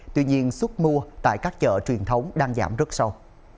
tuy nhiên sức mua tại các chợ truyền thống đang giảm rất sâu